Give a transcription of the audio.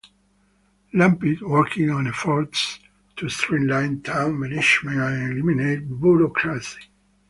Lampitt worked on efforts to streamline town management and eliminate bureaucracy.